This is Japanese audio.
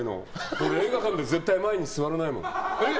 俺映画館で絶対前に座らないもん。